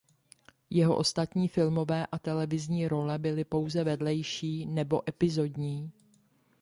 Jeho ostatní filmové a televizní role byly pouze vedlejší nebo epizodní.